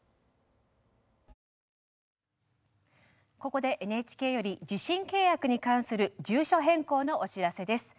ここでＮＨＫより受信契約に関する住所変更のお知らせです。